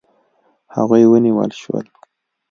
هغوی ونیول شول.